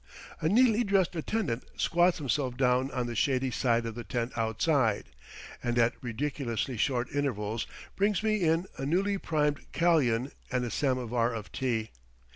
A neatly dressed attendant squats himself down on the shady side of the tent outside, and at ridiculously short intervals brings me in a newly primed kalian and a samovar of tea.